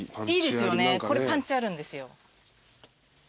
いいですよねこれパンチあるんですよ。